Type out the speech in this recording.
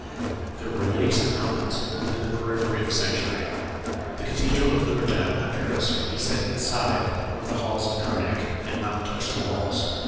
There were lakes and mountains within the periphery of the sanctuary. "The cathedral of Notre Dame at Paris could be set inside one of the halls of Karnac, and not touch the walls!...